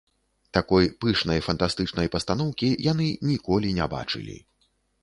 Такой пышнай фантастычнай пастаноўкі яны ніколі не бачылі.